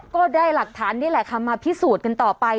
ก็ได้หลักฐานนี่แหละค่ะมาพิสูจน์กันต่อไป